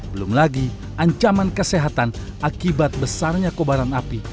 belum lagi ancaman kesehatan akibat besarnya kobaran api